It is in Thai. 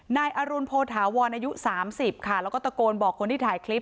นายอรุณโพธาวรอายุ๓๐ค่ะแล้วก็ตะโกนบอกคนที่ถ่ายคลิป